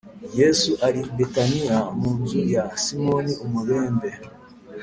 Yesu ari i Betaniya mu nzu ya Simoni umubembe,